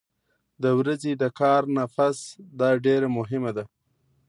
د ورځې د کار نه پس دا ډېره مهمه ده